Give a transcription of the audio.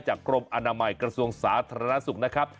กรมอนามัยกระทรวงสาธารณสุขนะครับ